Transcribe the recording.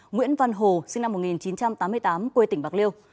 nguyễn văn hồ sinh năm một nghìn chín trăm tám mươi tám quê tỉnh bạc liêu